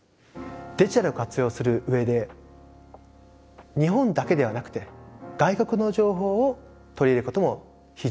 デジタルを活用する上で日本だけではなくて外国の情報を取り入れることも非常に大事です。